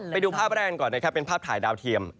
ไปดูภาพแรกก่อนนะครับเป็นภาพถ่ายดาวเทียม